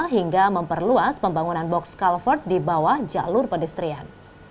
hingga memperluas pembangunan box culvert di bawah jalur pedestrian